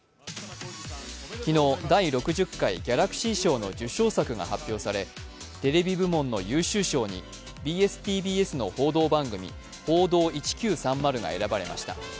昨日第６０回ギャラクシー賞の受賞作が発表されテレビ部門の優秀賞にＢＳ−ＴＢＳの報道番組「報道１９３０」が選ばれました。